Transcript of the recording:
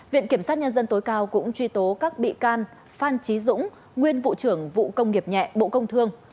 viện kiểm sát nhân dân tối cao cũng truy tố các bị can phan trí dũng nguyên vụ trưởng vụ công nghiệp nhẹ bộ công thương